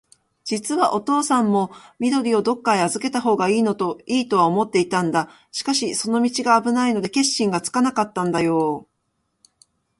じつはおとうさんも、緑をどっかへあずけたほうがいいとは思っていたんだ。しかし、その道があぶないので、決心がつかないんだよ。